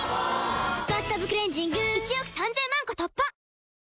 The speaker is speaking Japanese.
「バスタブクレンジング」１億３０００万個突破！